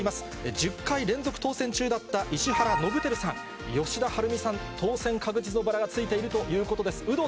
１０回連続当選中だった石原伸晃さん、吉田晴美さん、当選確実のバラがついているということです。